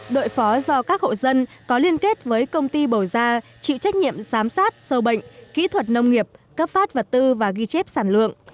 đội phó do các hộ dân có liên kết với công ty bầu ra chịu trách nhiệm giám sát sâu bệnh kỹ thuật nông nghiệp cấp phát vật tư và ghi chép sản lượng